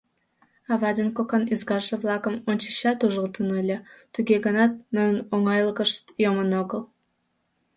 Ава ден кокан ӱзгарже-влакым ончычат ужылтын ыле, туге гынат, нунын оҥайлыкышт йомын огыл.